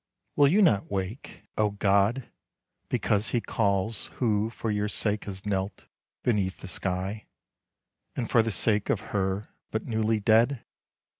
13 THE REBEL Will you not wake, oh god, because he calls Who for your sake has knelt beneath the sky, And for the sake of her but newly dead?"